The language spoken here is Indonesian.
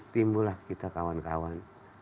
timbulah kita kawan kawan